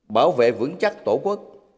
bảo vệ vững chắc tổ quốc